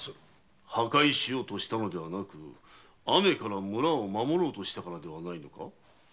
破壊しようとしたのではなく雨から村を守ろうとしたからではないのか？